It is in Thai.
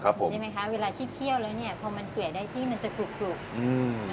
ใช่ไหมคะเวลาที่เคี่ยวแล้วเนี่ยพอมันเกลี่ยได้ที่มันจะกรุบอืม